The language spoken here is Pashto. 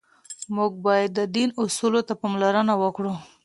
موږ باید د دین اصولو ته پاملرنه وکړو.